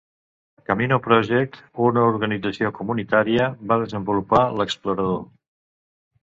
Camino Project, una organització comunitària, va desenvolupar l'explorador.